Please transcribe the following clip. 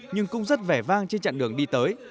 nhưng cũng rất vẻ vang trên chặng đường đi tới